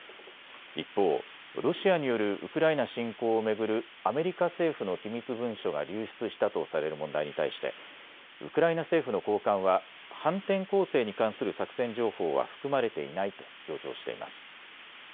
一方、ロシアによるウクライナ侵攻を巡るアメリカ政府の機密文書が流出したとされる問題に対してウクライナ政府の高官は反転攻勢に関する作戦情報は含まれていないと強調しています。